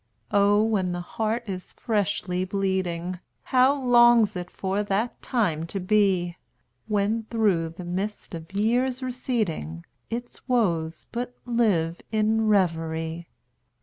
Oh! when the heart is freshly bleeding, How longs it for that time to be, When, through the mist of years receding, Its woes but live in reverie!